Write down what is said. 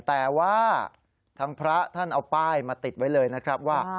แต่ว่าทางพระท่านเอาป้ายมาติดไว้เลยนะครับว่า